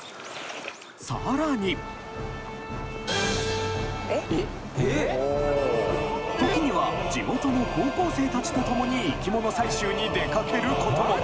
さらに時には地元の高校生達と共に生き物採集に出かけることも！